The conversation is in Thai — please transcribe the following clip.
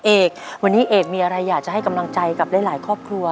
เอกวันนี้เอกมีอะไรอยากจะให้กำลังใจกับหลายครอบครัว